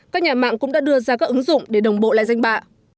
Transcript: các nhà mạng cũng đã đưa ra các ứng dụng để đồng bộ lại danh bạ